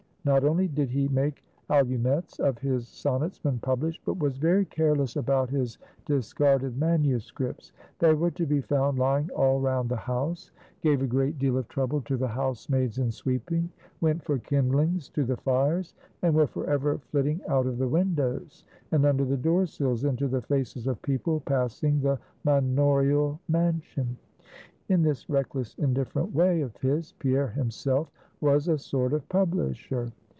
Not only did he make allumettes of his sonnets when published, but was very careless about his discarded manuscripts; they were to be found lying all round the house; gave a great deal of trouble to the housemaids in sweeping; went for kindlings to the fires; and were forever flitting out of the windows, and under the door sills, into the faces of people passing the manorial mansion. In this reckless, indifferent way of his, Pierre himself was a sort of publisher.